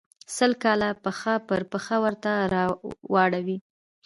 سل کاله پښه پر پښه ورته واړوي.